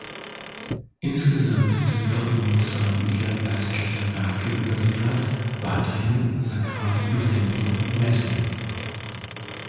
Insgesamt sind von ihm zwei Bücher geistlicher Werke überliefert, weiterhin sakrale Gesänge und Messen.